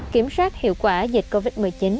kiểm soát hiệu quả dịch covid một mươi chín